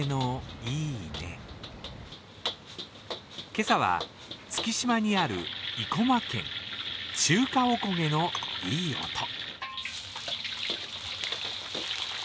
今朝は月島にある生駒軒、中華お焦げのいい音。